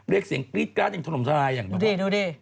เรียกเสียงกรี๊ดกราศอย่างถนมทรายอย่างเบาะ